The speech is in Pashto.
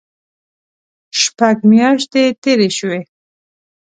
شپږ میاشتې تېرې شوې.